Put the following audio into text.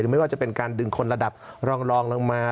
ไม่ว่าจะเป็นการดึงคนระดับรองลงมา